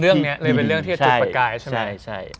ราวนี้เลยเป็นเรื่องที่จะจุดประกาย